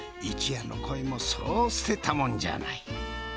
一夜の恋もそう捨てたもんじゃない。